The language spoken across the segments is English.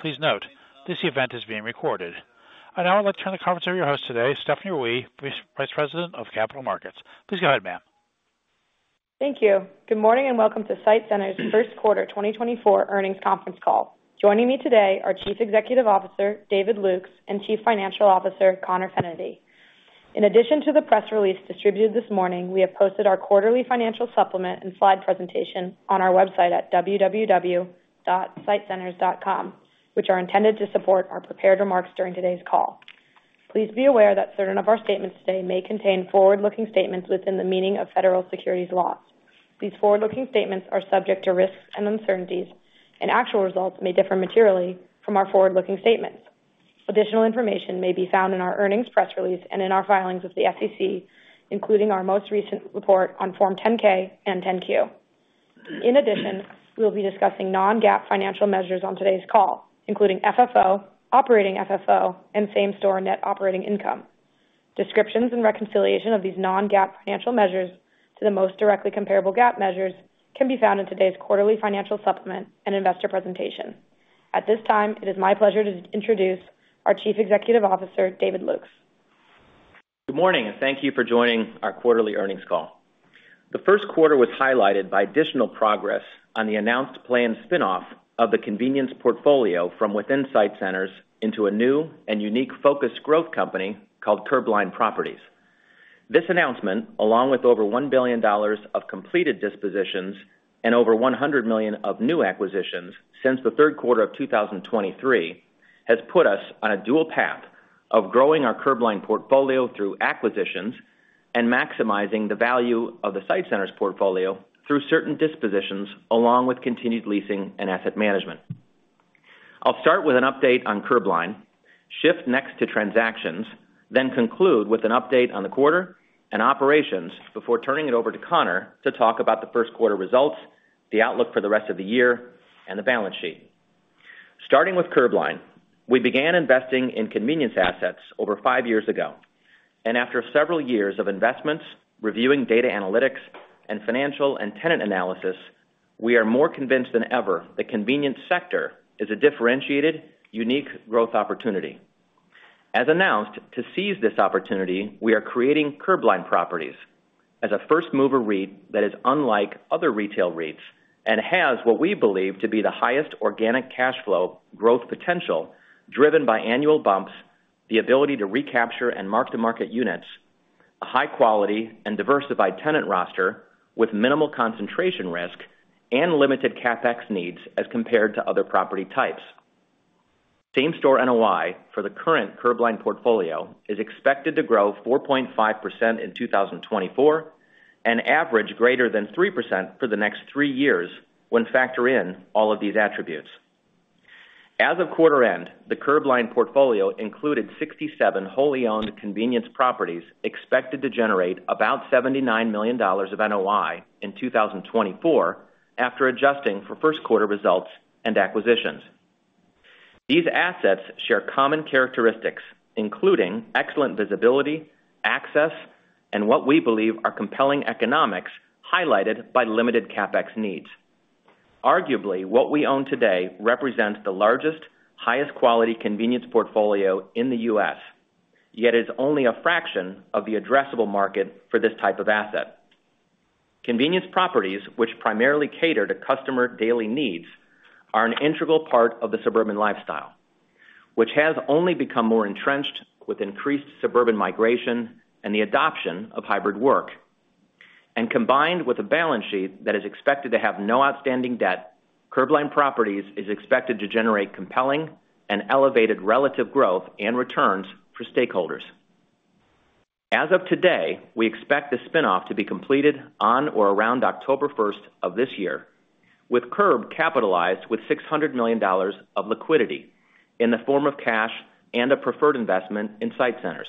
Please note, this event is being recorded. I'd now like to turn the conference over to your host today, Stephanie Wee, Vice President of Capital Markets. Please go ahead, ma'am. Thank you. Good morning, and welcome to SITE Centers' first quarter 2024 earnings conference call. Joining me today are Chief Executive Officer David Lukes and Chief Financial Officer Conor Fennerty. In addition to the press release distributed this morning, we have posted our quarterly financial supplement and slide presentation on our website at www.sitecenters.com, which are intended to support our prepared remarks during today's call. Please be aware that certain of our statements today may contain forward-looking statements within the meaning of federal securities laws. These forward-looking statements are subject to risks and uncertainties, and actual results may differ materially from our forward-looking statements. Additional information may be found in our earnings press release and in our filings with the SEC, including our most recent report on Form 10-K and 10-Q. In addition, we'll be discussing non-GAAP financial measures on today's call, including FFO, operating FFO, and same-store net operating income. Descriptions and reconciliation of these non-GAAP financial measures to the most directly comparable GAAP measures can be found in today's quarterly financial supplement and investor presentation. At this time, it is my pleasure to introduce our Chief Executive Officer, David Lukes. Good morning, and thank you for joining our quarterly earnings call. The first quarter was highlighted by additional progress on the announced planned spin-off of the convenience portfolio from within SITE Centers into a new and unique focused growth company called Curbline Properties. This announcement, along with over $1 billion of completed dispositions and over $100 million of new acquisitions since the third quarter of 2023, has put us on a dual path of growing our Curbline portfolio through acquisitions and maximizing the value of the SITE Centers portfolio through certain dispositions, along with continued leasing and asset management. I'll start with an update on Curbline, shift next to transactions, then conclude with an update on the quarter and operations before turning it over to Conor to talk about the first quarter results, the outlook for the rest of the year, and the balance sheet. Starting with Curbline, we began investing in convenience assets over five years ago, and after several years of investments, reviewing data analytics, and financial and tenant analysis, we are more convinced than ever, the convenience sector is a differentiated, unique growth opportunity. As announced, to seize this opportunity, we are creating Curbline Properties as a first-mover REIT that is unlike other retail REITs and has what we believe to be the highest organic cash flow growth potential, driven by annual bumps, the ability to recapture and mark-to-market units, a high quality and diversified tenant roster with minimal concentration risk and limited CapEx needs as compared to other property types. Same-store NOI for the current Curbline portfolio is expected to grow 4.5% in 2024, and average greater than 3% for the next three years when factor in all of these attributes. As of quarter end, the Curbline portfolio included 67 wholly owned convenience properties, expected to generate about $79 million of NOI in 2024, after adjusting for first quarter results and acquisitions. These assets share common characteristics, including excellent visibility, access, and what we believe are compelling economics, highlighted by limited CapEx needs. Arguably, what we own today represents the largest, highest quality convenience portfolio in the U.S., yet is only a fraction of the addressable market for this type of asset. Convenience properties, which primarily cater to customer daily needs, are an integral part of the suburban lifestyle, which has only become more entrenched with increased suburban migration and the adoption of hybrid work. Combined with a balance sheet that is expected to have no outstanding debt, Curbline Properties is expected to generate compelling and elevated relative growth and returns for stakeholders. As of today, we expect the spin-off to be completed on or around October 1, 2024 with Curb capitalized with $600 million of liquidity in the form of cash and a preferred investment in SITE Centers.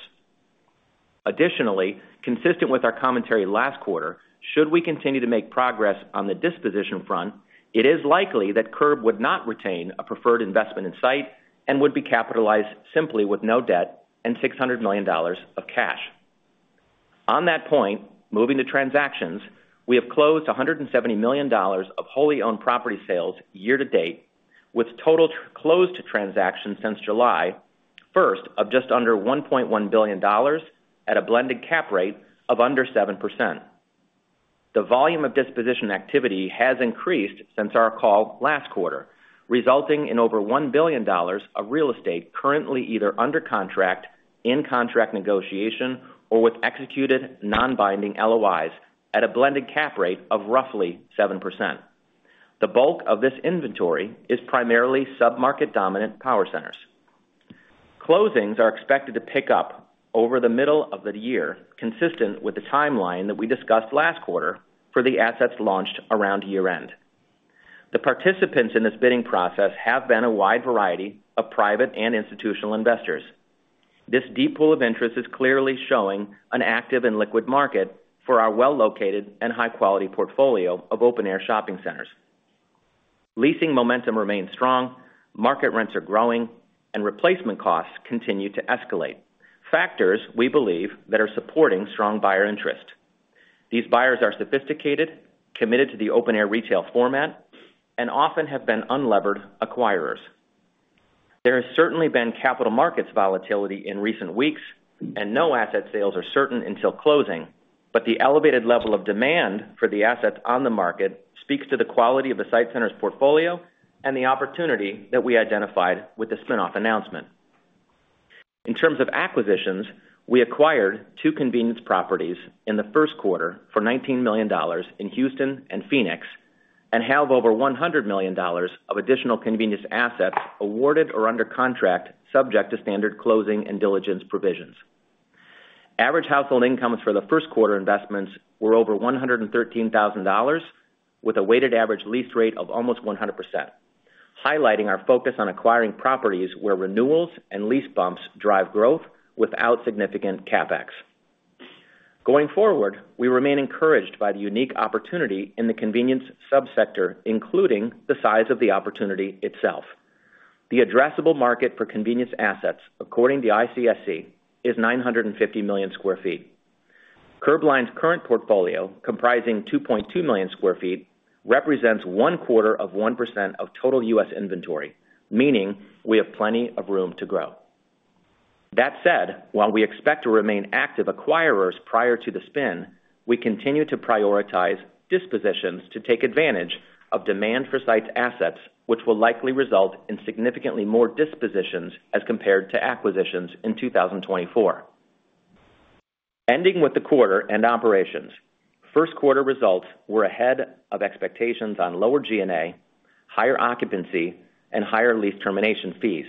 Additionally, consistent with our commentary last quarter, should we continue to make progress on the disposition front, it is likely that Curb would not retain a preferred investment in SITE and would be capitalized simply with no debt and $600 million of cash. On that point, moving to transactions, we have closed $170 million of wholly owned property sales year to date, with total closed transactions since July 1 of just under $1.1 billion at a blended cap rate of under 7%. The volume of disposition activity has increased since our call last quarter, resulting in over $1 billion of real estate currently either under contract, in contract negotiation, or with executed non-binding LOIs at a blended cap rate of roughly 7%. The bulk of this inventory is primarily submarket dominant power centers. Closings are expected to pick up over the middle of the year, consistent with the timeline that we discussed last quarter for the assets launched around year-end. The participants in this bidding process have been a wide variety of private and institutional investors. This deep pool of interest is clearly showing an active and liquid market for our well-located and high-quality portfolio of open-air shopping centers. Leasing momentum remains strong, market rents are growing, and replacement costs continue to escalate. Factors, we believe, that are supporting strong buyer interest. These buyers are sophisticated, committed to the open-air retail format, and often have been unlevered acquirers. There has certainly been capital markets volatility in recent weeks, and no asset sales are certain until closing, but the elevated level of demand for the assets on the market speaks to the quality of the SITE Centers portfolio and the opportunity that we identified with the spin-off announcement. In terms of acquisitions, we acquired two convenience properties in the first quarter for $19 million in Houston and Phoenix, and have over $100 million of additional convenience assets awarded or under contract, subject to standard closing and diligence provisions. Average household incomes for the first quarter investments were over $113,000, with a weighted average lease rate of almost 100%, highlighting our focus on acquiring properties where renewals and lease bumps drive growth without significant CapEx. Going forward, we remain encouraged by the unique opportunity in the convenience sub-sector, including the size of the opportunity itself. The addressable market for convenience assets, according to ICSC, is 950 million sq ft. Curbline's current portfolio, comprising 2.2 million sq ft, represents one quarter of 1% of total U.S. inventory, meaning we have plenty of room to grow. That said, while we expect to remain active acquirers prior to the spin, we continue to prioritize dispositions to take advantage of demand for SITE's assets, which will likely result in significantly more dispositions as compared to acquisitions in 2024. Ending with the quarter and operations. First quarter results were ahead of expectations on lower G&A, higher occupancy, and higher lease termination fees.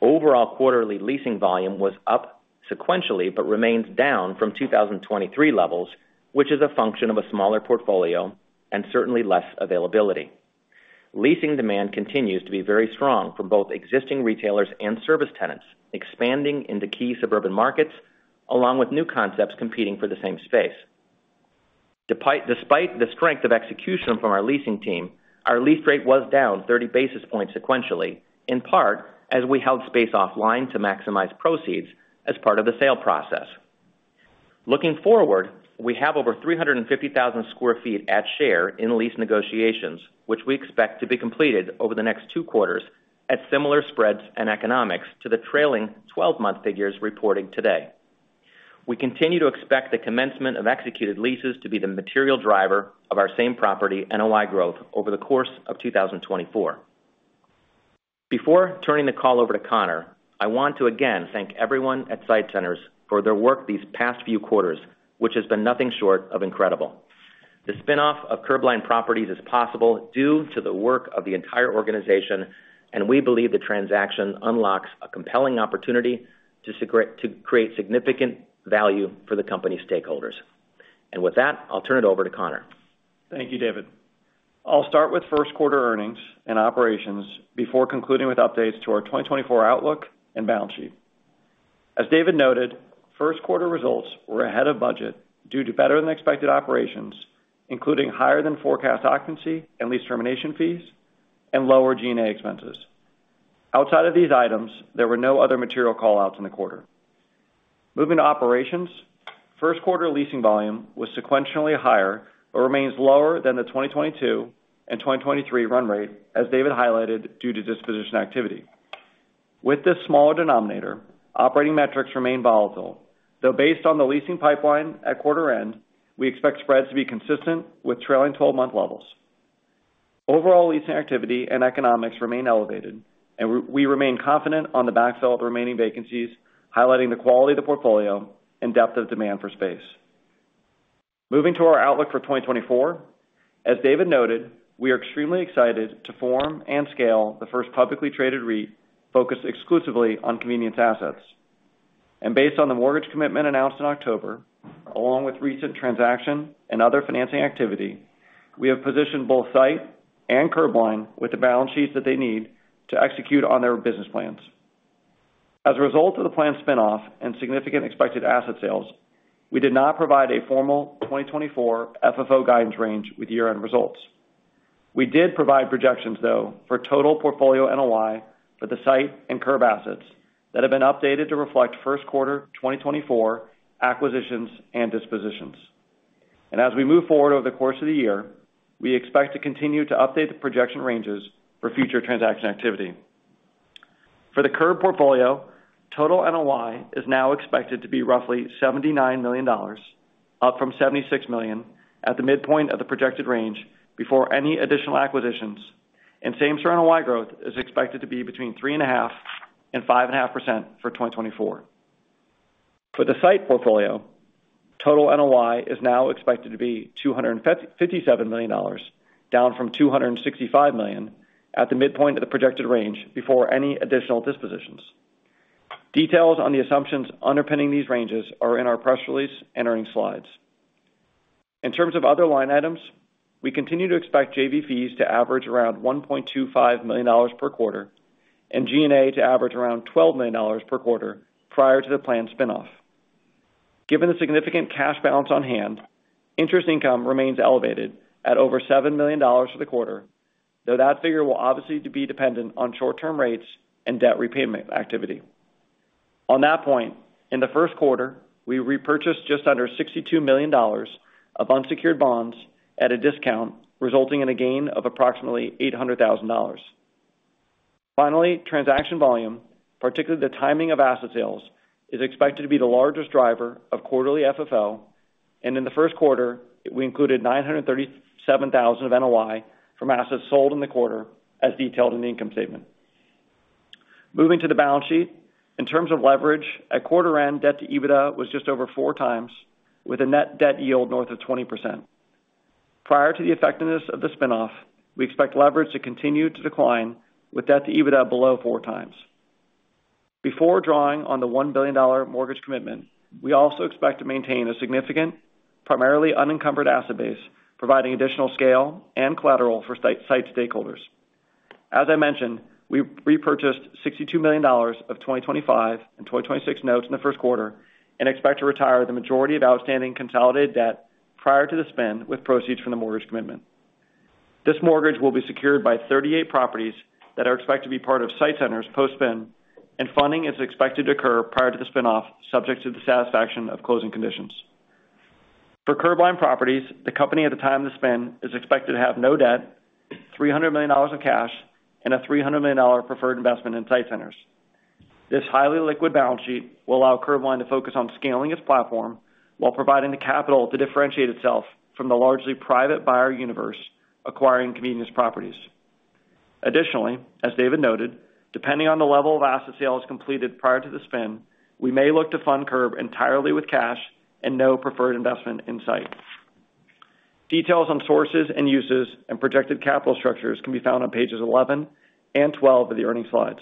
Overall, quarterly leasing volume was up sequentially, but remains down from 2023 levels, which is a function of a smaller portfolio and certainly less availability. Leasing demand continues to be very strong from both existing retailers and service tenants, expanding into key suburban markets, along with new concepts competing for the same space. Despite the strength of execution from our leasing team, our lease rate was down 30 basis points sequentially, in part, as we held space offline to maximize proceeds as part of the sale process. Looking forward, we have over 350,000 sq ft at share in lease negotiations, which we expect to be completed over the next two quarters at similar spreads and economics to the trailing twelve-month figures reporting today. We continue to expect the commencement of executed leases to be the material driver of our same property NOI growth over the course of 2024. Before turning the call over to Conor, I want to again thank everyone at SITE Centers for their work these past few quarters, which has been nothing short of incredible. The spin-off of Curbline Properties is possible due to the work of the entire organization, and we believe the transaction unlocks a compelling opportunity to create significant value for the company stakeholders. And with that, I'll turn it over to Conor. Thank you, David. I'll start with first quarter earnings and operations before concluding with updates to our 2024 outlook and balance sheet. As David noted, first quarter results were ahead of budget due to better-than-expected operations, including higher than forecast occupancy and lease termination fees, and lower G&A expenses. Outside of these items, there were no other material call-outs in the quarter. Moving to operations. First quarter leasing volume was sequentially higher, but remains lower than the 2022 and 2023 run rate, as David highlighted, due to disposition activity. With this smaller denominator, operating metrics remain volatile, though, based on the leasing pipeline at quarter end, we expect spreads to be consistent with trailing 12-month levels. Overall, leasing activity and economics remain elevated, and we, we remain confident on the backfill of remaining vacancies, highlighting the quality of the portfolio and depth of demand for space. Moving to our outlook for 2024. As David noted, we are extremely excited to form and scale the first publicly traded REIT focused exclusively on convenience assets. And based on the mortgage commitment announced in October, along with recent transaction and other financing activity, we have positioned both SITE and Curbline with the balance sheets that they need to execute on their business plans. As a result of the planned spin-off and significant expected asset sales, we did not provide a formal 2024 FFO guidance range with year-end results. We did provide projections, though, for total portfolio NOI for the SITE and Curbline assets that have been updated to reflect first quarter 2024 acquisitions and dispositions. And as we move forward over the course of the year, we expect to continue to update the projection ranges for future transaction activity. For the Curb portfolio, total NOI is now expected to be roughly $79 million, up from $76 million at the midpoint of the projected range before any additional acquisitions, and same store NOI growth is expected to be between 3.5% and 5.5% for 2024. For the Site portfolio, total NOI is now expected to be $257 million, down from $265 million at the midpoint of the projected range before any additional dispositions. Details on the assumptions underpinning these ranges are in our press release and earnings slides. In terms of other line items, we continue to expect JV fees to average around $1.25 million per quarter and G&A to average around $12 million per quarter prior to the planned spin-off. Given the significant cash balance on hand, interest income remains elevated at over $7 million for the quarter, though that figure will obviously be dependent on short-term rates and debt repayment activity. On that point, in the first quarter, we repurchased just under $62 million of unsecured bonds at a discount, resulting in a gain of approximately $800,000. Finally, transaction volume, particularly the timing of asset sales, is expected to be the largest driver of quarterly FFO, and in the first quarter, we included $937,000 of NOI from assets sold in the quarter, as detailed in the income statement. Moving to the balance sheet. In terms of leverage, at quarter end, debt to EBITDA was just over 4x, with a net debt yield north of 20%. Prior to the effectiveness of the spin-off, we expect leverage to continue to decline, with debt to EBITDA below 4x. Before drawing on the $1 billion mortgage commitment, we also expect to maintain a significant, primarily unencumbered asset base, providing additional scale and collateral for SITE Centers stakeholders. As I mentioned, we repurchased $62 million of 2025 and 2026 notes in the first quarter and expect to retire the majority of outstanding consolidated debt prior to the spin with proceeds from the mortgage commitment. This mortgage will be secured by 38 properties that are expected to be part of SITE Centers post-spin, and funding is expected to occur prior to the spin-off, subject to the satisfaction of closing conditions. For Curbline Properties, the company, at the time of the spin, is expected to have no debt, $300 million of cash, and a $300 million preferred investment in SITE Centers. This highly liquid balance sheet will allow Curbline to focus on scaling its platform while providing the capital to differentiate itself from the largely private buyer universe, acquiring convenience properties. Additionally, as David noted, depending on the level of asset sales completed prior to the spin, we may look to fund Curbline entirely with cash and no preferred investment in SITE. Details on sources and uses and projected capital structures can be found on pages 11 and 12 of the earnings slides.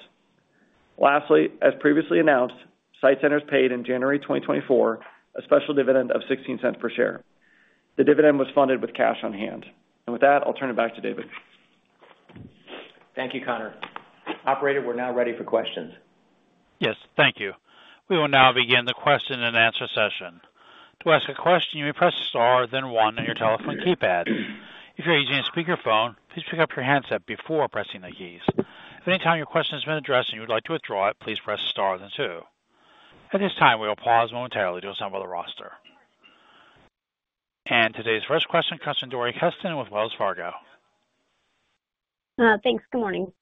Lastly, as previously announced, SITE Centers paid in January 2024, a special dividend of $0.16 per share. The dividend was funded with cash on hand. With that, I'll turn it back to David. Thank you, Conor. Operator, we're now ready for questions. Yes, thank you. We will now begin the question-and-answer session. "To ask a question, you may press star, then one" on your telephone keypad. If you're using a speakerphone, please pick up your handset before pressing the keys. If at any time your question has been addressed and you would like to withdraw it, "please press star then two". At this time, we will pause momentarily to assemble the roster. Today's first question comes from Dori Huston with Wells Fargo. Thanks. Good morning.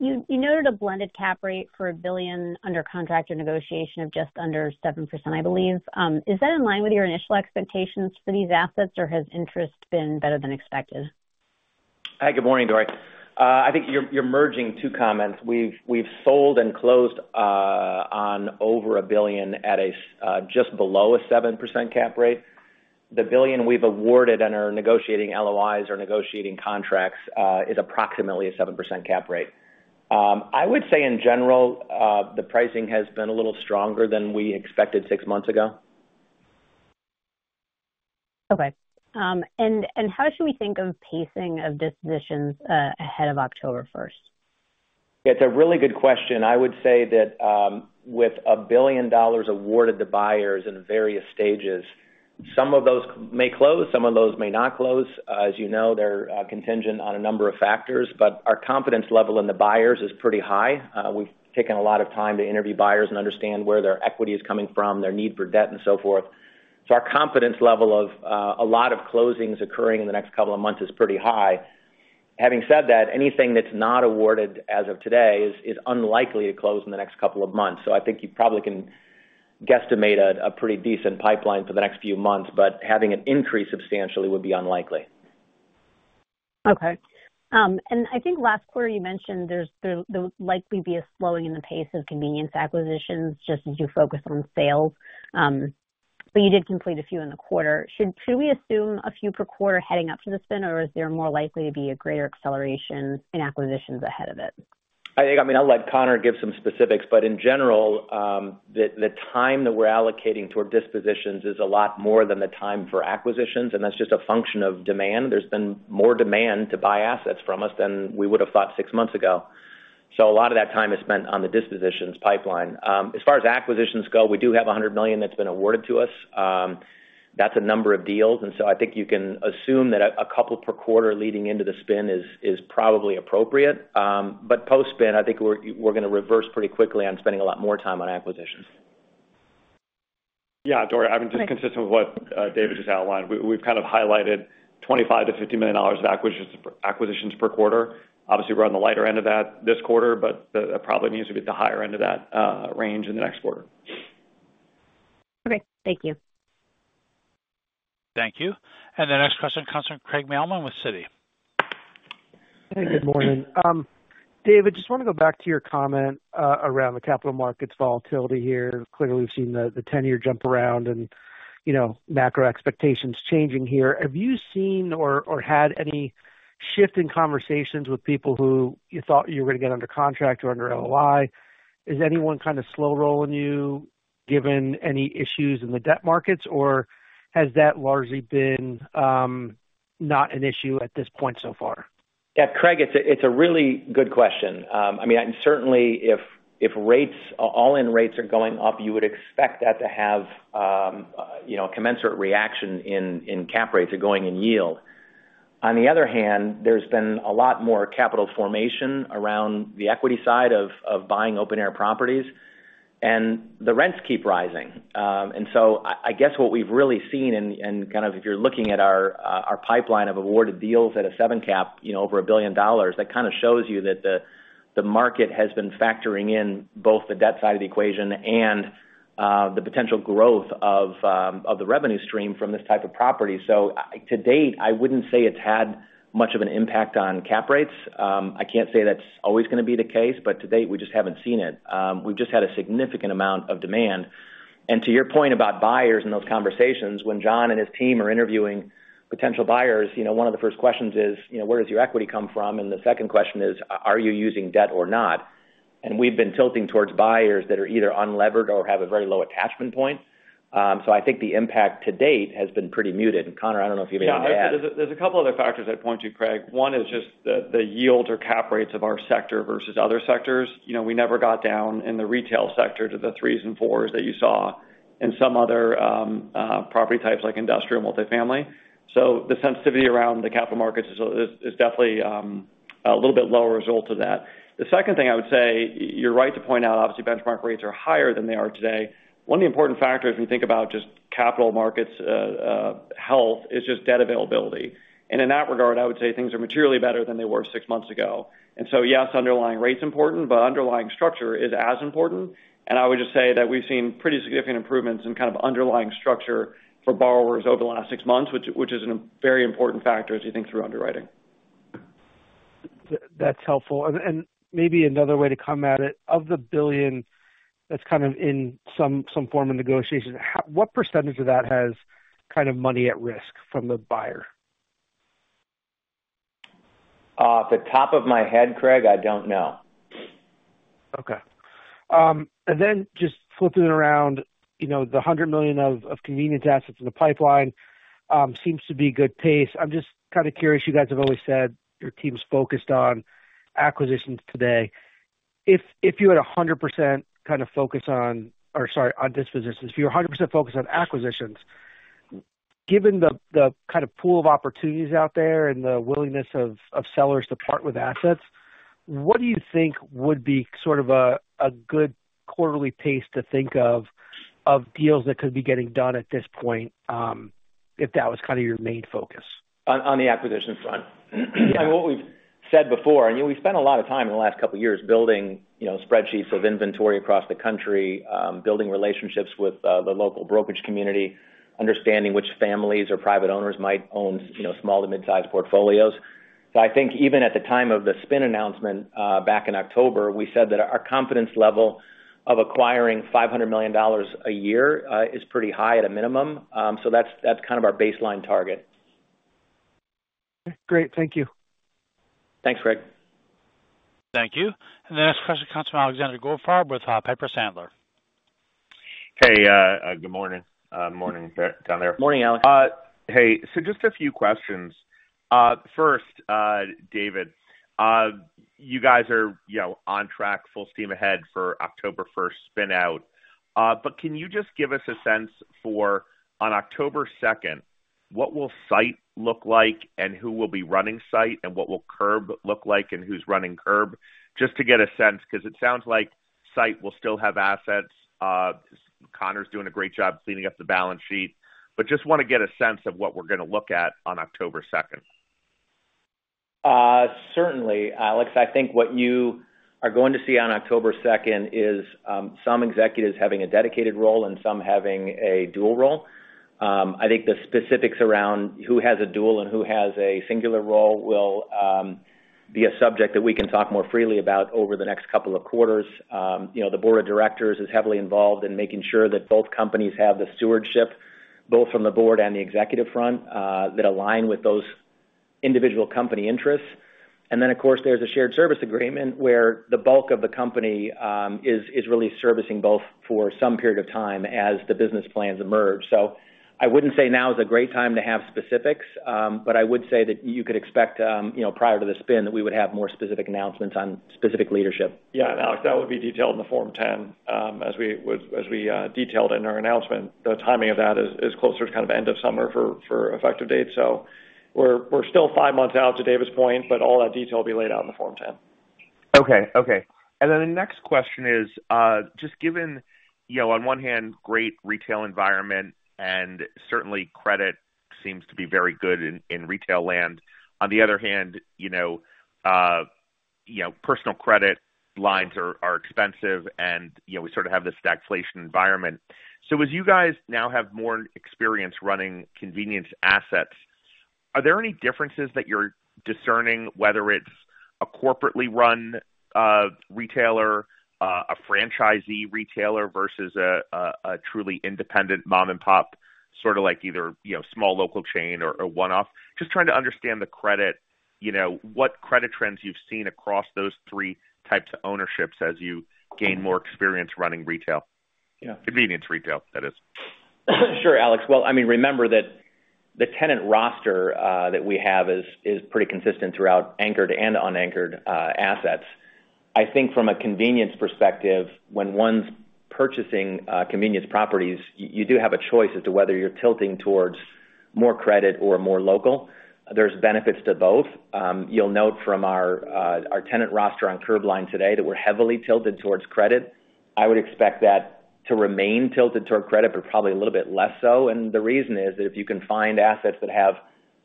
You noted a blended cap rate for $1 billion under contract or negotiation of just under 7%, I believe. Is that in line with your initial expectations for these assets, or has interest been better than expected? Hi, good morning, Dori. I think you're merging two comments. We've sold and closed on over $1 billion at just below a 7% cap rate. The $1 billion we've awarded and are negotiating LOIs or negotiating contracts is approximately a 7% cap rate. I would say in general, the pricing has been a little stronger than we expected six months ago. Okay. And how should we think of pacing of dispositions ahead of October first? It's a really good question. I would say that, with $1 billion awarded to buyers in various stages, some of those may close, some of those may not close. As you know, they're contingent on a number of factors, but our confidence level in the buyers is pretty high. We've taken a lot of time to interview buyers and understand where their equity is coming from, their need for debt, and so forth. So our confidence level of a lot of closings occurring in the next couple of months is pretty high. Having said that, anything that's not awarded as of today is unlikely to close in the next couple of months. So I think you probably can guesstimate a pretty decent pipeline for the next few months, but having it increase substantially would be unlikely. Okay. And I think last quarter, you mentioned there would likely be a slowing in the pace of convenience acquisitions just as you focus on sales, but you did complete a few in the quarter. Should we assume a few per quarter heading up to the spin, or is there more likely to be a greater acceleration in acquisitions ahead of it? I think, I mean, I'll let Connor give some specifics, but in general, the time that we're allocating toward dispositions is a lot more than the time for acquisitions, and that's just a function of demand. There's been more demand to buy assets from us than we would have thought six months ago. So a lot of that time is spent on the dispositions pipeline. As far as acquisitions go, we do have $100 million that's been awarded to us. That's a number of deals, and so I think you can assume that a couple per quarter leading into the spin is probably appropriate. But post-spin, I think we're gonna reverse pretty quickly on spending a lot more time on acquisitions. Yeah, Dori, I mean, just consistent with what David just outlined, we, we've kind of highlighted $25 million-$50 million of acquisitions, acquisitions per quarter. Obviously, we're on the lighter end of that this quarter, but the, it probably needs to be at the higher end of that range in the next quarter. Okay. Thank you. Thank you. The next question comes from Craig Mailman with Citi. Hey, good morning. David, just want to go back to your comment around the capital markets volatility here. Clearly, we've seen the ten-year jump around and, you know, macro expectations changing here. Have you seen or had any shift in conversations with people who you thought you were going to get under contract or under LOI? Is anyone kind of slow-rolling you, given any issues in the debt markets, or has that largely been not an issue at this point so far? Yeah, Craig, it's a really good question. I mean, and certainly if rates, all-in rates are going up, you would expect that to have, you know, a commensurate reaction in cap rates or going in yield. On the other hand, there's been a lot more capital formation around the equity side of buying open-air properties, and the rents keep rising. And so I guess what we've really seen and kind of if you're looking at our pipeline of awarded deals at a 7 cap, you know, over $1 billion, that kind of shows you that the market has been factoring in both the debt side of the equation and the potential growth of the revenue stream from this type of property. So, to date, I wouldn't say it's had much of an impact on cap rates. I can't say that's always gonna be the case, but to date, we just haven't seen it. We've just had a significant amount of demand. And to your point about buyers and those conversations, when John and his team are interviewing potential buyers, you know, one of the first questions is, you know, "Where does your equity come from?" And the second question is, "are you using debt or not?" And we've been tilting towards buyers that are either unlevered or have a very low attachment point. So I think the impact to date has been pretty muted. And Conor, I don't know if you have anything to add. Yeah, there's a couple other factors I'd point to, Craig. One is just the yields or cap rates of our sector versus other sectors. You know, we never got down in the retail sector to the 3s and 4s that you saw in some other property types like industrial multifamily. So the sensitivity around the capital markets is definitely a little bit lower as a result of that. The second thing I would say, you're right to point out, obviously, benchmark rates are higher than they are today. One of the important factors, when you think about just capital markets health, is just debt availability. And in that regard, I would say things are materially better than they were six months ago. And so, yes, underlying rate's important, but underlying structure is as important. I would just say that we've seen pretty significant improvements in kind of underlying structure for borrowers over the last six months, which is a very important factor as you think through underwriting. That's helpful. Maybe another way to come at it, of the $1 billion that's kind of in some form of negotiation, how—what percentage of that has kind of money at risk from the buyer? Off the top of my head, Craig, I don't know. Okay. And then just flipping it around, you know, the $100 million of convenience assets in the pipeline seems to be good pace. I'm just kind of curious, you guys have always said your team's focused on acquisitions today. If you had 100% kind of focus on-- or sorry, on dispositions. If you're 100% focused on acquisitions, given the kind of pool of opportunities out there and the willingness of sellers to part with assets, what do you think would be sort of a good quarterly pace to think of deals that could be getting done at this point, if that was kind of your main focus? On the acquisition front? I mean, what we've said before, and we've spent a lot of time in the last couple of years building, you know, spreadsheets of inventory across the country, building relationships with the local brokerage community, understanding which families or private owners might own, you know, small to mid-sized portfolios. So I think even at the time of the spin announcement, back in October, we said that our confidence level of acquiring $500 million a year is pretty high at a minimum. So that's, that's kind of our baseline target. Great. Thank you. Thanks, Craig. Thank you. The next question comes from Alexander Goldfarb with Piper Sandler. Hey, good morning. Morning, down there. Morning, Alex. Hey, so just a few questions. First, David, you guys are, you know, on track, full steam ahead for October first spin out. But can you just give us a sense for, on October 2nd, what will SITE look like, and who will be running SITE, and what will Curb look like, and who's running Curb? Just to get a sense, because it sounds like SITE will still have assets. Conor's doing a great job cleaning up the balance sheet, but just wanna get a sense of what we're gonna look at on October 2nd. Certainly, Alex. I think what you are going to see on October 2nd is some executives having a dedicated role and some having a dual role. I think the specifics around who has a dual and who has a singular role will be a subject that we can talk more freely about over the next couple of quarters. You know, the Board of Directors is heavily involved in making sure that both companies have the stewardship, both from the board and the executive front, that align with those individual company interests. And then, of course, there's a shared service agreement where the bulk of the company is really servicing both for some period of time as the business plans emerge. So I wouldn't say now is a great time to have specifics, but I would say that you could expect, you know, prior to the spin, that we would have more specific announcements on specific leadership. Yeah, Alex, that would be detailed in the Form 10. As we detailed in our announcement, the timing of that is closer to kind of end of summer for effective date. So we're still five months out to David's point, but all that detail will be laid out in the Form 10. Okay. Okay. And then the next question is, just given, you know, on one hand, great retail environment, and certainly credit seems to be very good in retail land. On the other hand, you know, personal credit lines are expensive and, you know, we sort of have this stagflation environment. So as you guys now have more experience running convenience assets, are there any differences that you're discerning, whether it's a corporately run retailer, a franchisee retailer versus a truly independent mom-and-pop, sort of like either, you know, small local chain or a one-off? Just trying to understand the credit, you know, what credit trends you've seen across those three types of ownerships as you gain more experience running retail? Yeah. Convenience retail, that is. Sure, Alex. Well, I mean, remember that the tenant roster that we have is pretty consistent throughout anchored and unanchored assets. I think from a convenience perspective, when one's purchasing convenience properties, you do have a choice as to whether you're tilting towards more credit or more local. There's benefits to both. You'll note from our our tenant roster on Curbline today, that we're heavily tilted towards credit. I would expect that to remain tilted toward credit, but probably a little bit less so. The reason is that if you can find assets that have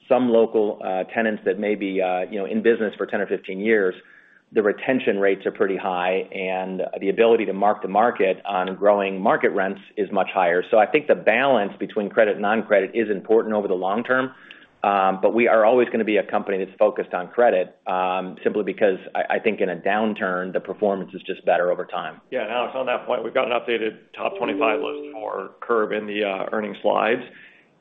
some local tenants that may be, you know, in business for 10 or 15 years, the retention rates are pretty high, and the ability to mark-to-market on growing market rents is much higher. So I think the balance between credit and non-credit is important over the long term. But we are always gonna be a company that's focused on credit, simply because I think in a downturn, the performance is just better over time. Yeah, Alex, on that point, we've got an updated top 25 list for Curb in the earnings slides.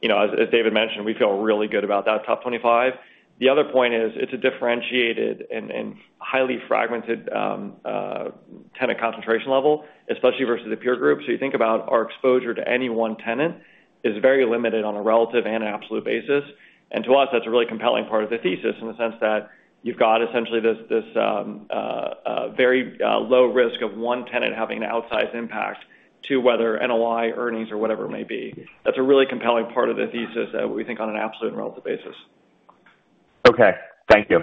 You know, as David mentioned, we feel really good about that top 25. The other point is, it's a differentiated and highly fragmented tenant concentration level, especially versus the peer group. So you think about our exposure to any one tenant is very limited on a relative and an absolute basis. And to us, that's a really compelling part of the thesis, in the sense that you've got essentially this a very low risk of one tenant having an outsized impact to whether NOI earnings or whatever it may be. That's a really compelling part of the thesis that we think on an absolute and relative basis. Okay, thank you.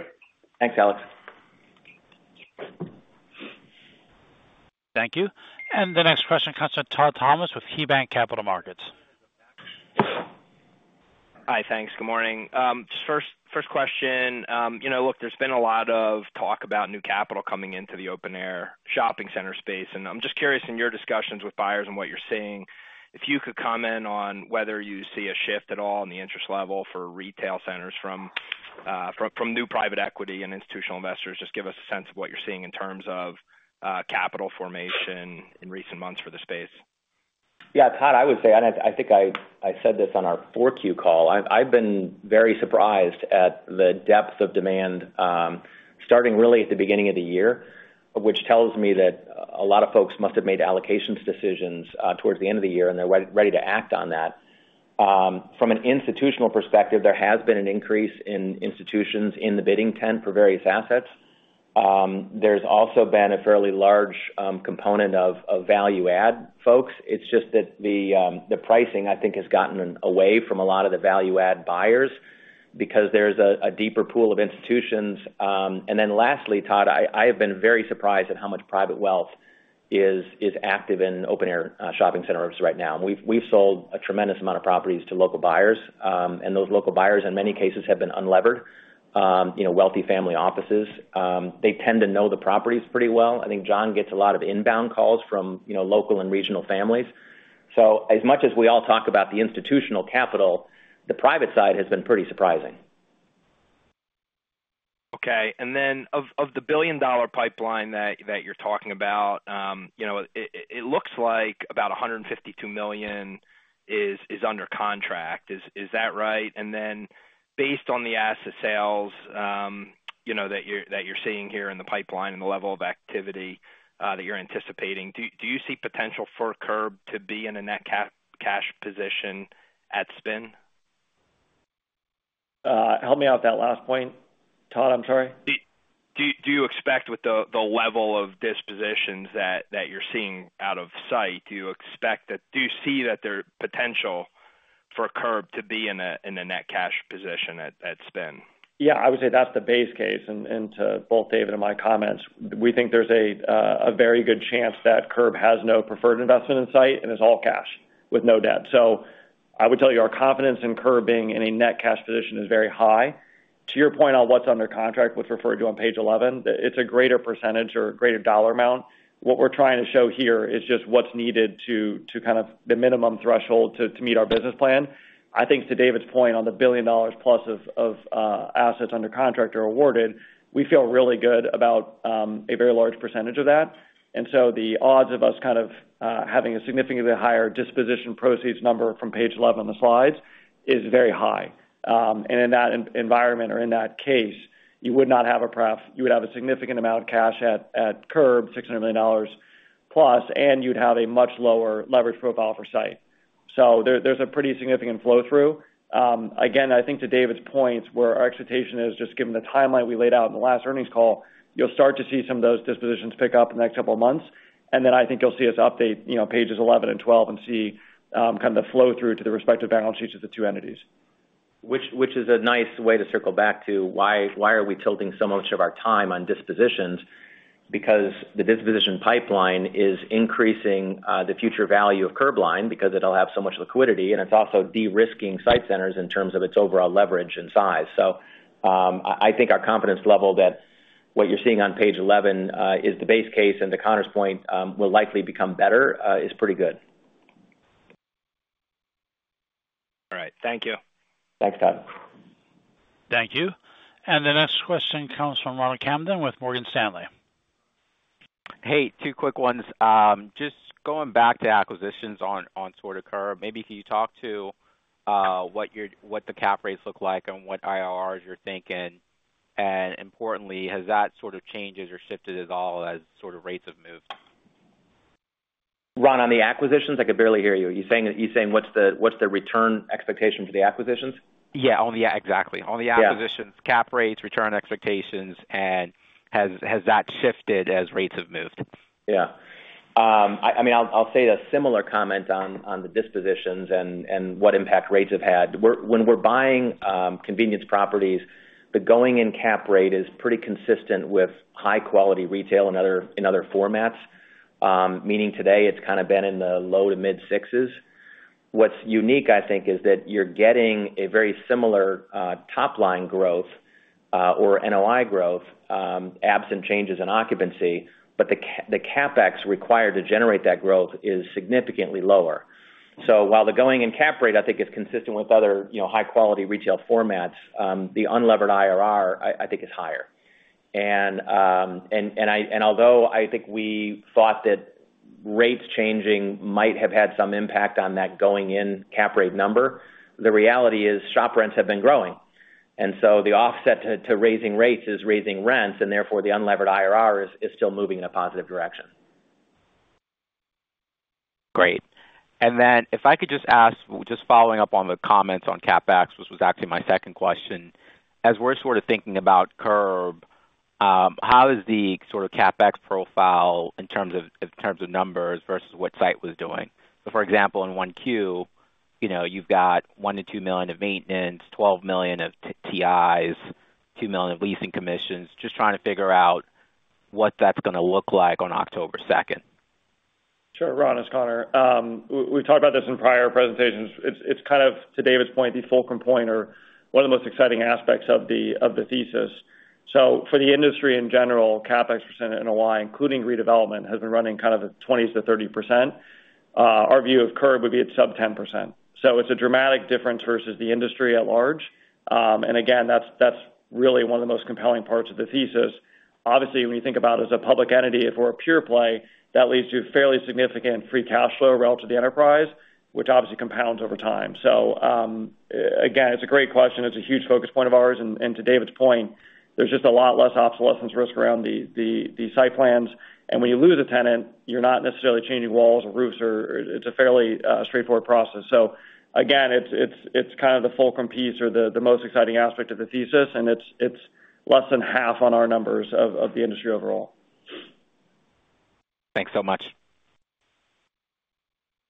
Thanks, Alex. Thank you. The next question comes from Todd Thomas with KeyBanc Capital Markets. Hi, thanks. Good morning. Just first question, you know, look, there's been a lot of talk about new capital coming into the open-air shopping center space, and I'm just curious, in your discussions with buyers and what you're seeing, if you could comment on whether you see a shift at all in the interest level for retail centers from new private equity and institutional investors. Just give us a sense of what you're seeing in terms of capital formation in recent months for the space. Yeah, Todd, I would say, and I think I said this on our 4Q call. I've been very surprised at the depth of demand, starting really at the beginning of the year, which tells me that a lot of folks must have made allocations decisions, towards the end of the year, and they're ready to act on that. From an institutional perspective, there has been an increase in institutions in the bidding tent for various assets. There's also been a fairly large component of value add folks. It's just that the pricing, I think, has gotten away from a lot of the value add buyers because there's a deeper pool of institutions. And then lastly, Todd, I have been very surprised at how much private wealth is active in open-air shopping centers right now. And we've sold a tremendous amount of properties to local buyers, and those local buyers, in many cases, have been unlevered, you know, wealthy family offices. They tend to know the properties pretty well. I think John gets a lot of inbound calls from, you know, local and regional families. So as much as we all talk about the institutional capital, the private side has been pretty surprising. Okay. And then of the billion-dollar pipeline that you're talking about, you know, it looks like about $152 million is under contract. Is that right? And then based on the asset sales, you know, that you're seeing here in the pipeline and the level of activity that you're anticipating, do you see potential for Curb to be in a net cash position at spin? Help me out with that last point, Todd. I'm sorry. Do you expect with the level of dispositions that you're seeing out of SITE, do you see that there's potential for Curb to be in a net cash position at spin? Yeah, I would say that's the base case. And to both David and my comments, we think there's a very good chance that Curb has no preferred investment in sight and is all cash with no debt. So I would tell you our confidence in Curb being in a net cash position is very high. To your point on what's under contract, what's referred to on page 11, it's a greater percentage or greater dollar amount. What we're trying to show here is just what's needed to kind of the minimum threshold to meet our business plan. I think to David's point on the $1 billion plus of assets under contract are awarded, we feel really good about a very large percentage of that. And so the odds of us kind of having a significantly higher disposition proceeds number from page 11 on the slides is very high. And in that environment or in that case, you would not have. You would have a significant amount of cash at Curb, $600 million+, and you'd have a much lower leverage profile for SITE. So, there's a pretty significant flow-through. Again, I think to David's point, where our expectation is just given the timeline we laid out in the last earnings call, you'll start to see some of those dispositions pick up in the next couple of months. And then I think you'll see us update, you know, pages 11 and 12 and see kind of the flow-through to the respective balance sheets of the two entities. Which is a nice way to circle back to why are we tilting so much of our time on dispositions? Because the disposition pipeline is increasing the future value of Curbline, because it'll have so much liquidity, and it's also de-risking SITE Centers in terms of its overall leverage and size. So, I think our confidence level that what you're seeing on page 11 is the base case, and to Conor's point, will likely become better is pretty good. All right. Thank you. Thanks, Todd. Thank you. The next question comes from Ronald Kamdem with Morgan Stanley. Hey, two quick ones. Just going back to acquisitions on sort of Curb, maybe can you talk to what the cap rates look like and what IRRs you're thinking? And importantly, has that sort of changed or shifted at all as sort of rates have moved? Ron, on the acquisitions, I could barely hear you. You're saying, you're saying, what's the, what's the return expectation for the acquisitions? Yeah, on the exactly. On the acquisitions, cap rates, return expectations, and has that shifted as rates have moved? Yeah. I mean, I'll say a similar comment on the dispositions and what impact rates have had. When we're buying convenience properties, the going-in cap rate is pretty consistent with high-quality retail in other formats. Meaning today, it's kind of been in the low- to mid-6s. What's unique, I think, is that you're getting a very similar top-line growth or NOI growth absent changes in occupancy, but the CapEx required to generate that growth is significantly lower. So while the going-in cap rate, I think, is consistent with other, you know, high-quality retail formats, the unlevered IRR, I think, is higher. Although I think we thought that rates changing might have had some impact on that going-in Cap Rate number, the reality is, shop rents have been growing. And so the offset to raising rates is raising rents, and therefore, the Unlevered IRR is still moving in a positive direction. Great. And then, if I could just ask, just following up on the comments on CapEx, which was actually my second question. As we're sort of thinking about Curb, how is the sort of CapEx profile in terms of, in terms of numbers versus what Site was doing? So, for example, in one Q, you know, you've got $1 million-$2 million of maintenance, $12 million of TIs, $2 million of leasing commissions. Just trying to figure out what that's gonna look like on October 2nd. Sure, Ron, it's Conor. We've talked about this in prior presentations. It's kind of, to David's point, the fulcrum point or one of the most exciting aspects of the thesis. So for the industry, in general, CapEx percent in NOI, including redevelopment, has been running kind of at 20%-30%. Our view of Curb would be at sub-10%. So it's a dramatic difference versus the industry at large. And again, that's really one of the most compelling parts of the thesis. Obviously, when you think about as a public entity, if we're a pure play, that leads to fairly significant free cash flow relative to the enterprise, which obviously compounds over time. So, again, it's a great question. It's a huge focus point of ours. To David's point, there's just a lot less obsolescence risk around the site plans, and when you lose a tenant, you're not necessarily changing walls or roofs or. It's a fairly straightforward process. So again, it's kind of the fulcrum piece or the most exciting aspect of the thesis, and it's less than half on our numbers of the industry overall. Thanks so much.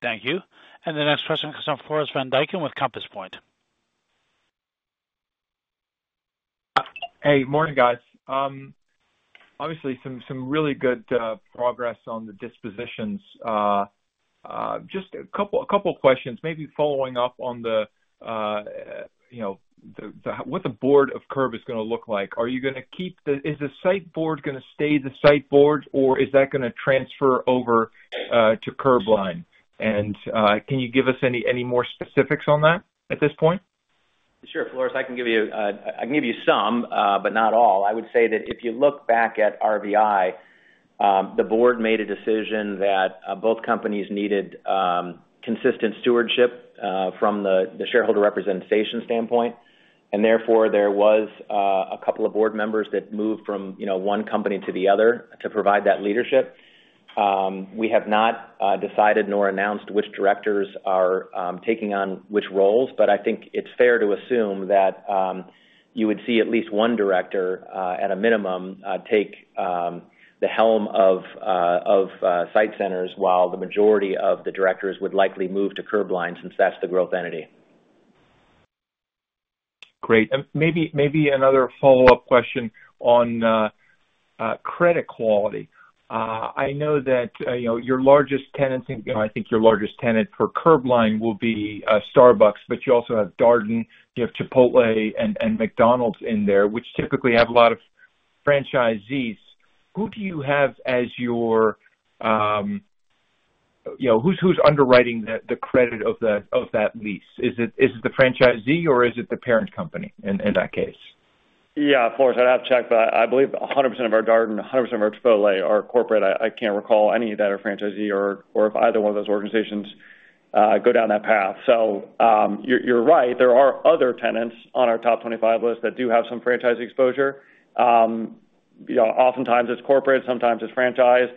Thank you. The next question comes from Floris Van Dijken, with Compass Point. Hey, morning, guys. Obviously, some really good progress on the dispositions. Just a couple of questions, maybe following up on the, you know, what the board of Curbline is gonna look like. Are you gonna keep the— is the SITE board gonna stay the SITE board, or is that gonna transfer over to Curbline? And can you give us any more specifics on that at this point? Sure, Floris, I can give you some, but not all. I would say that if you look back at RVI, the board made a decision that both companies needed consistent stewardship from the shareholder representation standpoint, and therefore, there was a couple of board members that moved from, you know, one company to the other to provide that leadership. We have not decided nor announced which directors are taking on which roles, but I think it's fair to assume that you would see at least one director at a minimum take the helm of SITE Centers, while the majority of the directors would likely move to Curbline, since that's the growth entity. Great. And maybe another follow-up question on credit quality. I know that, you know, your largest tenants, and, you know, I think your largest tenant for Curbline will be Starbucks, but you also have Darden, you have Chipotle, and McDonald's in there, which typically have a lot of franchisees. Who do you have as your, you know, who's underwriting the credit of that lease? Is it the franchisee or is it the parent company in that case? Yeah, Floris, I'd have to check, but I believe 100% of our Darden, 100% of our Chipotle are corporate. I can't recall any that are franchisee or if either one of those organizations go down that path. So, you're right, there are other tenants on our top 25 list that do have some franchisee exposure. You know, oftentimes it's corporate, sometimes it's franchise.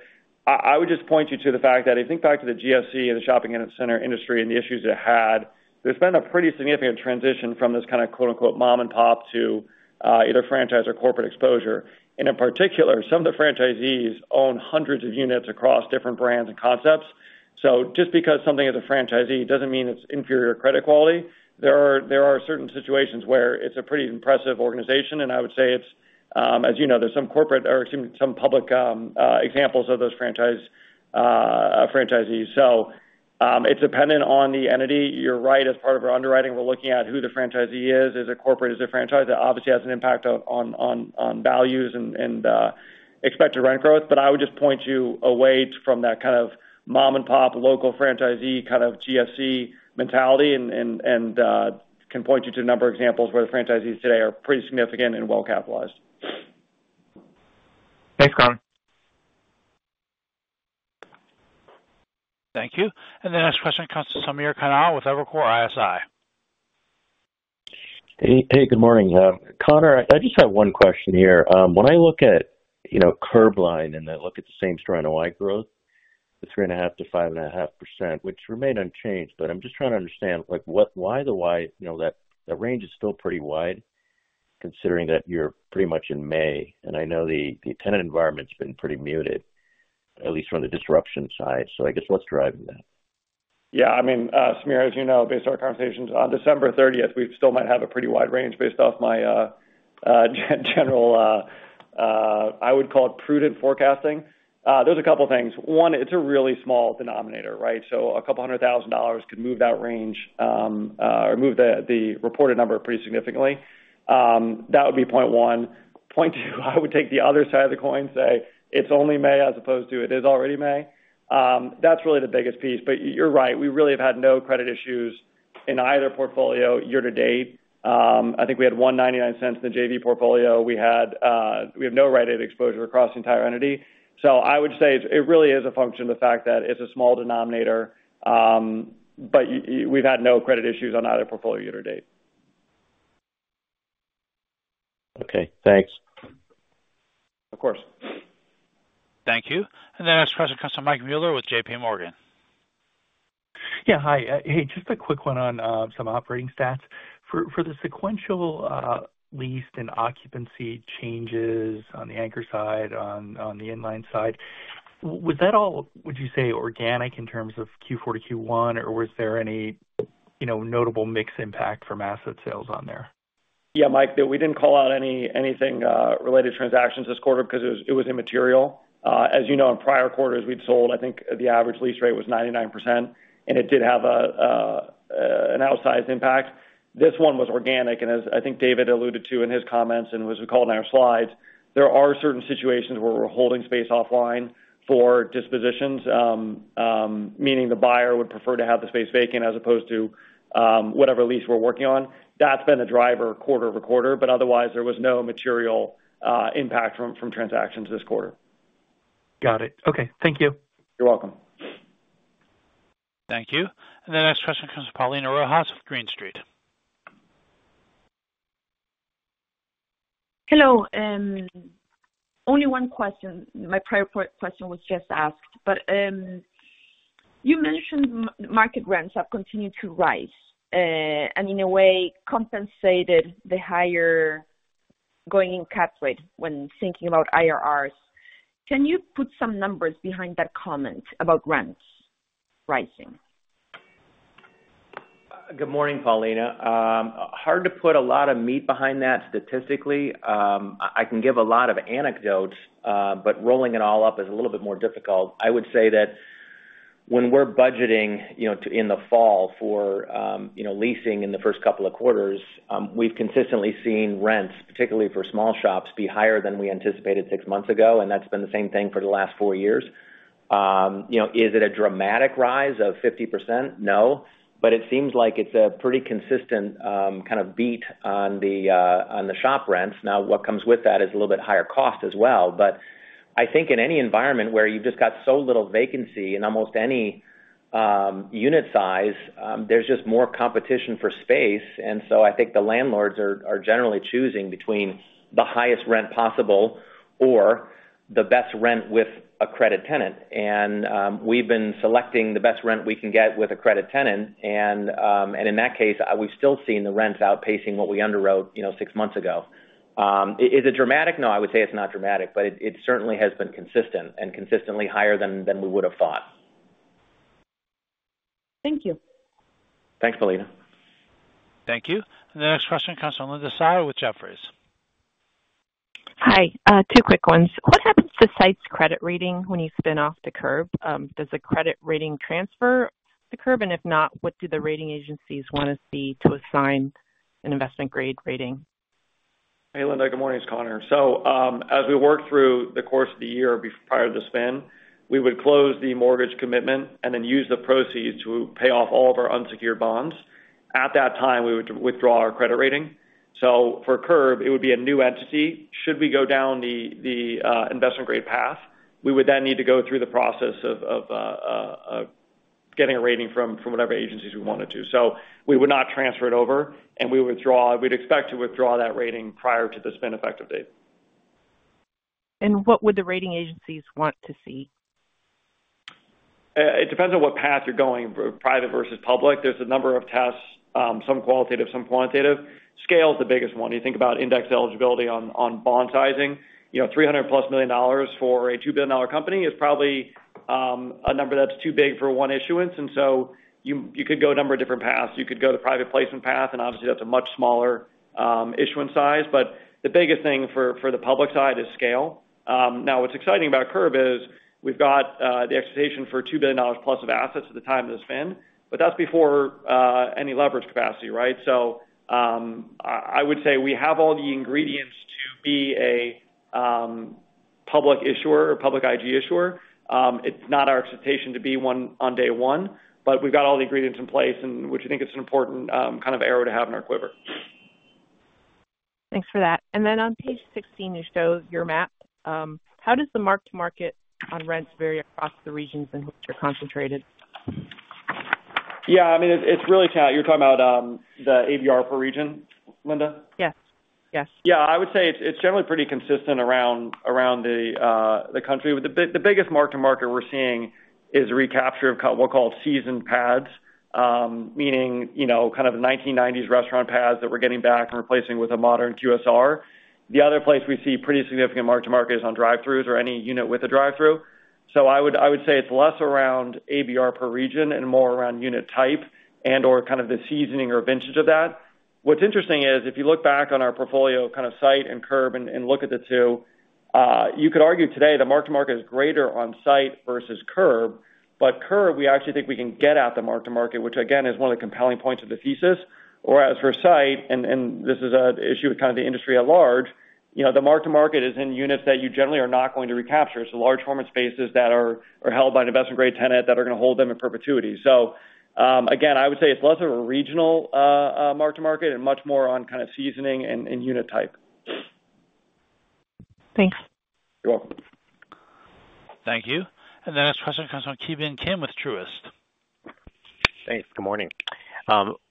I would just point you to the fact that if you think back to the ICSC and the shopping center industry and the issues it had, there's been a pretty significant transition from this kind of, quote, unquote, "mom and pop" to either franchise or corporate exposure. And in particular, some of the franchisees own hundreds of units across different brands and concepts. So just because something is a franchisee doesn't mean it's inferior credit quality. There are certain situations where it's a pretty impressive organization, and I would say it's, as you know, there's some corporate or excuse me, some public examples of those franchise franchisees. So, it's dependent on the entity. You're right. As part of our underwriting, we're looking at who the franchisee is. Is it corporate? Is it a franchise? That obviously has an impact on values and expected rent growth. But I would just point you away from that kind of mom-and-pop, local franchisee, kind of GSC mentality and can point you to a number of examples where the franchisees today are pretty significant and well-capitalized. Thanks, Connor. Thank you. The next question comes to Samir Khanal with Evercore ISI. Hey, hey, good morning. Conor, I just have one question here. When I look at, you know, Curbline, and I look at the same-store NOI growth, the 3.5%-5.5%, which remained unchanged. But I'm just trying to understand, like, why the wide, you know, that range is still pretty wide, considering that you're pretty much in May, and I know the tenant environment's been pretty muted, at least from the disruption side. So I guess, what's driving that? Yeah, I mean, Samir, as you know, based on our conversations on December 30, we still might have a pretty wide range based off my general, I would call it prudent forecasting. There's a couple things. One, it's a really small denominator, right? So $200,000 could move that range, or move the reported number pretty significantly. That would be point one. Point two, I would take the other side of the coin and say, it's only May, as opposed to it is already May. That's really the biggest piece. But you're right, we really have had no credit issues in either portfolio year-to-date. I think we had $1.99 in the JV portfolio. We had, we have no rate of exposure across the entire entity. So I would say it really is a function of the fact that it's a small denominator, but we've had no credit issues on either portfolio year to date. Okay, thanks. Of course. Thank you. The next question comes from Mike Mueller with J.P. Morgan. Yeah, hi. Hey, just a quick one on some operating stats. For the sequential leased and occupancy changes on the anchor side, on the inline side, was that all, would you say, organic in terms of Q4 to Q1, or was there any, you know, notable mix impact from asset sales on there? Yeah, Mike, we didn't call out anything related to transactions this quarter because it was immaterial. As you know, in prior quarters, we'd sold, I think, the average lease rate was 99%, and it did have an outsized impact. This one was organic, and as I think David alluded to in his comments, and it was called in our slides, there are certain situations where we're holding space offline for dispositions. Meaning the buyer would prefer to have the space vacant as opposed to whatever lease we're working on. That's been a driver quarter over quarter, but otherwise, there was no material impact from transactions this quarter. Got it. Okay, thank you. You're welcome. Thank you. The next question comes from Paulina Rojas with Green Street. Hello, only one question. My prior question was just asked, but you mentioned market rents have continued to rise, and in a way, compensated the higher going-in cap rate when thinking about IRRs. Can you put some numbers behind that comment about rents rising? Good morning, Paulina. Hard to put a lot of meat behind that statistically. I can give a lot of anecdotes, but rolling it all up is a little bit more difficult. I would say that when we're budgeting, you know, in the fall for, you know, leasing in the first couple of quarters, we've consistently seen rents, particularly for small shops, be higher than we anticipated six months ago, and that's been the same thing for the last four years. You know, is it a dramatic rise of 50%? No. But it seems like it's a pretty consistent kind of beat on the shop rents. Now, what comes with that is a little bit higher cost as well. But I think in any environment where you've just got so little vacancy in almost any unit size, there's just more competition for space. And so I think the landlords are generally choosing between the highest rent possible or the best rent with a credit tenant. And we've been selecting the best rent we can get with a credit tenant, and in that case, we've still seen the rents outpacing what we underwrote, you know, six months ago. Is it dramatic? No, I would say it's not dramatic, but it certainly has been consistent and consistently higher than we would have thought. Thank you. Thanks, Paulina. Thank you. The next question comes from Linda Tsai with Jefferies. Hi, two quick ones. What happens to SITE's credit rating when you spin off to Curb? Does the credit rating transfer to Curb? And if not, what do the rating agencies want to see to assign an investment-grade rating? Hey, Linda. Good morning, it's Connor. So, as we work through the course of the year, prior to the spin, we would close the mortgage commitment and then use the proceeds to pay off all of our unsecured bonds. At that time, we would withdraw our credit rating. So for Curb, it would be a new entity. Should we go down the investment-grade path, we would then need to go through the process of getting a rating from whatever agencies we wanted to. So we would not transfer it over, and we'd expect to withdraw that rating prior to the spin effective date. What would the rating agencies want to see? It depends on what path you're going, private versus public. There's a number of tests, some qualitative, some quantitative. Scale is the biggest one. You think about index eligibility on, on bond sizing. You know, $300+ million for a $2 billion company is probably a number that's too big for one issuance, and so you, you could go a number of different paths. You could go the private placement path, and obviously that's a much smaller issuance size. But the biggest thing for, for the public side is scale. Now, what's exciting about Curb is we've got the expectation for $2 billion+ of assets at the time of the spin, but that's before any leverage capacity, right? I would say we have all the ingredients to be a public issuer or public IG issuer. It's not our expectation to be one on day one, but we've got all the ingredients in place, and which I think is an important kind of arrow to have in our quiver. Thanks for that. And then on page 16, you show your map. How does the mark-to-market on rents vary across the regions in which you're concentrated? Yeah, I mean, it's really that you're talking about the ABR per region, Linda? Yes. Yes. Yeah, I would say it's generally pretty consistent around the country. But the biggest mark-to-market we're seeing is recapture of what we call seasoned pads, meaning, you know, kind of 1990s restaurant pads that we're getting back and replacing with a modern QSR. The other place we see pretty significant mark-to-market is on drive-throughs or any unit with a drive-through. So I would say it's less around ABR per region and more around unit type and/or kind of the seasoning or vintage of that. What's interesting is, if you look back on our portfolio, kind of SITE and Curbline, and look at the two, you could argue today the mark-to-market is greater on SITE versus Curbline. But Curb, we actually think we can get at the mark-to-market, which again, is one of the compelling points of the thesis. Or as for Site, and this is an issue with kind of the industry at large, you know, the mark-to-market is in units that you generally are not going to recapture. So large format spaces that are held by an investment-grade tenant that are gonna hold them in perpetuity. So, again, I would say it's less of a regional mark-to-market and much more on kind of seasoning and unit type. Thanks. You're welcome. Thank you. The next question comes from Ki Bin Kim with Truist. Thanks. Good morning.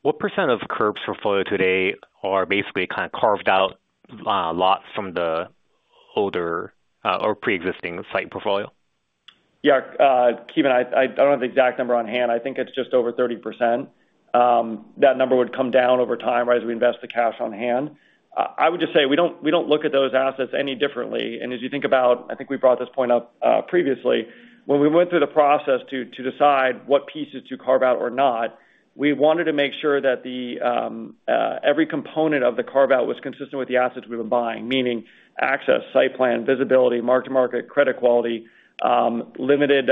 What percent of Curb's portfolio today are basically kind of carved out lots from the older or pre-existing SITE portfolio? Yeah, Ki Bin, I don't have the exact number on hand. I think it's just over 30%. That number would come down over time, right, as we invest the cash on hand. I would just say we don't look at those assets any differently. And as you think about. I think we brought this point up previously. When we went through the process to decide what pieces to carve out or not, we wanted to make sure that every component of the carve-out was consistent with the assets we were buying. Meaning access, site plan, visibility, mark-to-market, credit quality, limited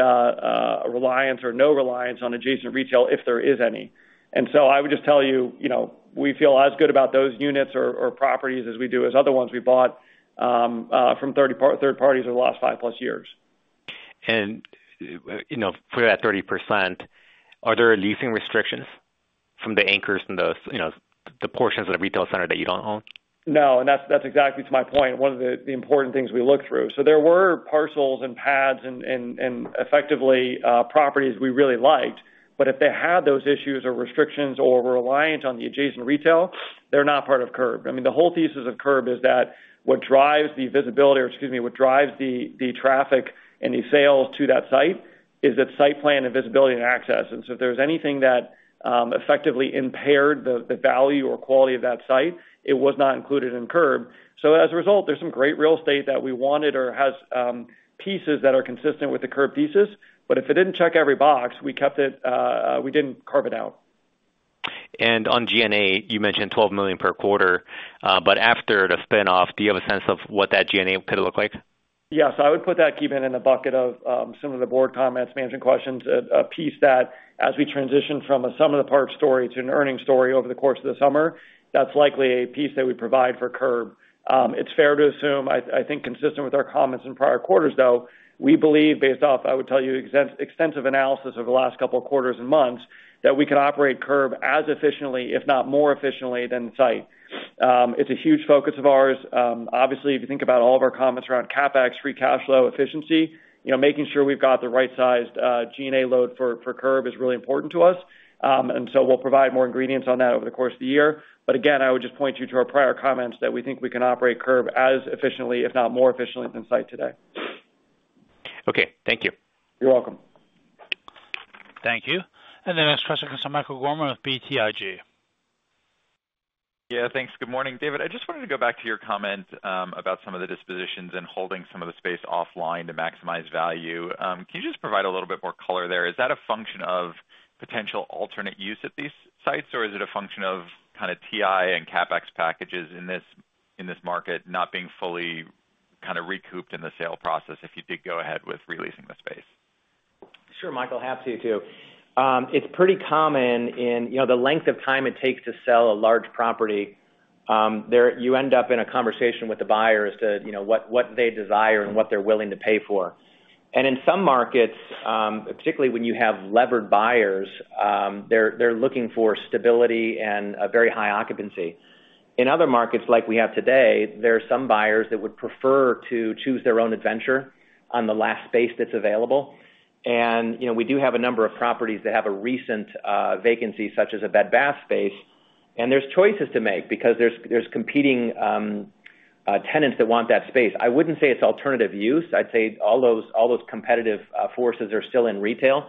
reliance or no reliance on adjacent retail, if there is any. I would just tell you, you know, we feel as good about those units or properties as we do as other ones we bought from third parties over the last 5+ years. You know, for that 30%, are there leasing restrictions from the anchors from those, you know, the portions of the retail center that you don't own? No, and that's exactly to my point, one of the important things we looked through. So there were parcels and pads and effectively properties we really liked, but if they had those issues or restrictions or were reliant on the adjacent retail, they're not part of Curb. I mean, the whole thesis of Curb is that what drives the visibility, or excuse me, what drives the traffic and the sales to that site is its site plan and visibility and access. And so if there's anything that effectively impaired the value or quality of that site, it was not included in Curb. So as a result, there's some great real estate that we wanted or has pieces that are consistent with the Curb thesis, but if it didn't check every box, we kept it, we didn't carve it out. On G&A, you mentioned $12 million per quarter. But after the spin-off, do you have a sense of what that G&A could look like? Yes. I would put that, Ki Bin, in the bucket of some of the board comments, management questions, a piece that as we transition from a sum of the parts story to an earnings story over the course of the summer, that's likely a piece that we provide for Curb. It's fair to assume, I think consistent with our comments in prior quarters, though, we believe, based off, I would tell you, extensive analysis over the last couple of quarters and months, that we can operate Curb as efficiently, if not more efficiently, than SITE. It's a huge focus of ours. Obviously, if you think about all of our comments around CapEx, free cash flow, efficiency, you know, making sure we've got the right sized G&A load for Curb is really important to us. And so we'll provide more ingredients on that over the course of the year. But again, I would just point you to our prior comments, that we think we can operate Curb as efficiently, if not more efficiently, than SITE today. Okay, thank you. You're welcome. Thank you. The next question comes from Michael Gorman with BTIG. Yeah, thanks. Good morning, David. I just wanted to go back to your comment about some of the dispositions and holding some of the space offline to maximize value. Can you just provide a little bit more color there? Is that a function of potential alternate use at these sites, or is it a function of kind of TI and CapEx packages in this, in this market not being fully kind of recouped in the sale process if you did go ahead with releasing the space? Sure, Michael. Happy to, too. It's pretty common in, you know, the length of time it takes to sell a large property, there you end up in a conversation with the buyer as to, you know, what, what they desire and what they're willing to pay for. And in some markets, particularly when you have levered buyers, they're, they're looking for stability and a very high occupancy. In other markets, like we have today, there are some buyers that would prefer to choose their own adventure on the last space that's available. And, you know, we do have a number of properties that have a recent vacancy, such as a Bed Bath space, and there's choices to make because there's, there's competing tenants that want that space. I wouldn't say it's alternative use. I'd say all those competitive forces are still in retail.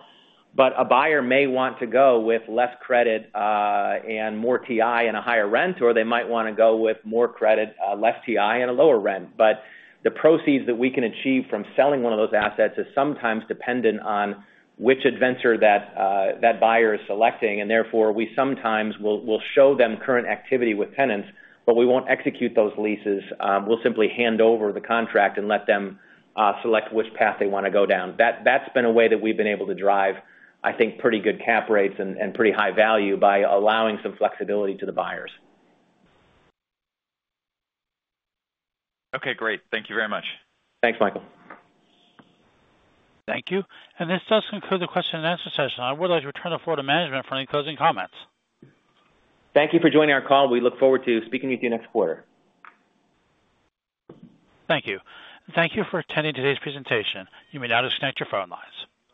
But a buyer may want to go with less credit and more TI and a higher rent, or they might wanna go with more credit, less TI and a lower rent. But the proceeds that we can achieve from selling one of those assets is sometimes dependent on which avenue that buyer is selecting, and therefore, we sometimes will show them current activity with tenants, but we won't execute those leases. We'll simply hand over the contract and let them select which path they wanna go down. That's been a way that we've been able to drive, I think, pretty good cap rates and pretty high value by allowing some flexibility to the buyers. Okay, great. Thank you very much. Thanks, Michael. Thank you. This does conclude the question and answer session. I would like to return the floor to management for any closing comments. Thank you for joining our call. We look forward to speaking with you next quarter. Thank you. Thank you for attending today's presentation. You may now disconnect your phone lines.